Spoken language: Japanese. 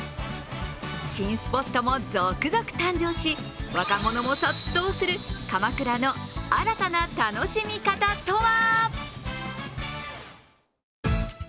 新スポットも続々誕生し若者も殺到する鎌倉の新たな楽しみ方とは？